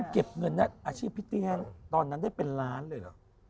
เก็บเงินอาชีพพี่เตี้ยตอนนั้นได้เป็นล้านเลยเหรอ